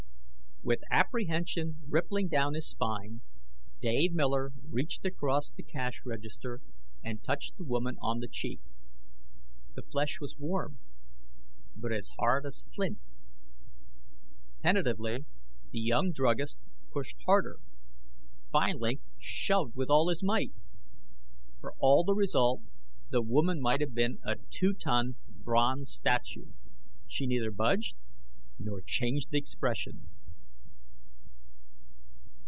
With apprehension rippling down his spine, Dave Miller reached across the cash register and touched the woman on the cheek. The flesh was warm, but as hard as flint. Tentatively, the young druggist pushed harder; finally, shoved with all his might. For all the result, the woman might have been a two ton bronze statue. She neither budged nor changed expression.